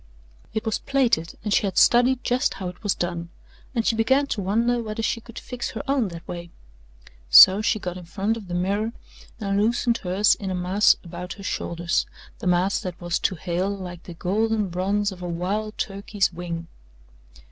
It was plaited and she had studied just how it was done and she began to wonder whether she could fix her own that way. So she got in front of the mirror and loosened hers in a mass about her shoulders the mass that was to Hale like the golden bronze of a wild turkey's wing.